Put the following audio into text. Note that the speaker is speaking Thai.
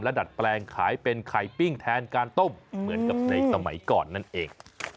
ดัดแปลงขายเป็นไข่ปิ้งแทนการต้มเหมือนกับในสมัยก่อนนั่นเอง